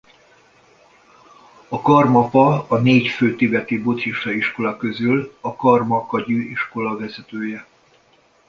A karmapa a négy fő tibeti buddhista iskola közül a karma kagyü iskola vezetője.